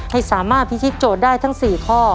ให้สามารถพิธีโจทย์ได้ทั้ง๔ข้อ